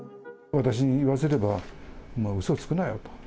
私に言わせれば、うそつくなよと。